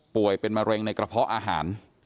เป็นมะเร็งในกระเพาะอาหาร